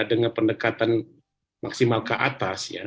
dengan pendekatan maksimal ke atas ya